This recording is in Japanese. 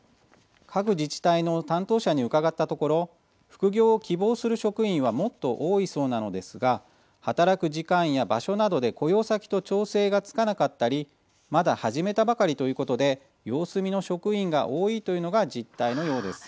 各自治体の担当者に伺ったところ副業を希望する職員はもっと多いそうなのですが働く時間や場所などで雇用先と調整がつかなかったりまだ始めたばかりということで様子見の職員が多いというのが実態のようです。